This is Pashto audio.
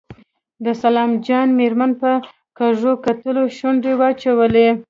د سلام جان مېرمن په کږو کتلو شونډې واچولې.